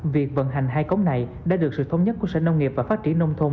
việc vận hành hai cống này đã được sự thống nhất của sở nông nghiệp và phát triển nông thôn